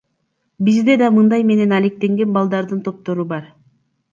Бизде да мындай менен алектенген балдардын топтору бар.